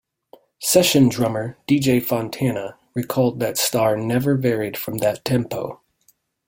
Session drummer D. J. Fontana recalled that Starr never varied from that tempo.